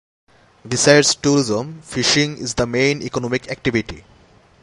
Besides tourism, fishing is the main economic activity.